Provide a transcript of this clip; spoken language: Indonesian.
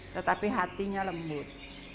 tetapi hatinya lembut